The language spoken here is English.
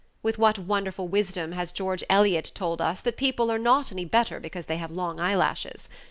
With what wonderful wisdom has George Eliot told us that people are not any better because they have long eye lashes!